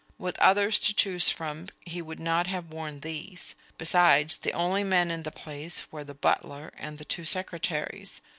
With others to choose from he would not have worn these. Besides, the only men in the place were the butler and the two secretaries.